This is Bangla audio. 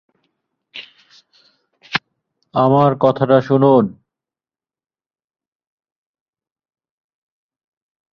আমার কথাটা শুনুন।